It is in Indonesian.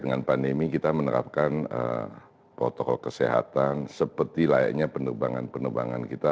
dengan pandemi kita menerapkan protokol kesehatan seperti layaknya penerbangan penerbangan kita